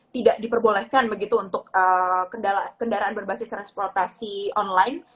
tidak diperbolehkan begitu untuk kendaraan berbasis transportasi online